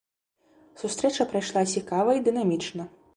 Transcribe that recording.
Сустрэча прайшла цікава і дынамічна.